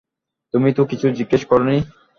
তোমাকে তো কিছু জিজ্ঞেস করি নি।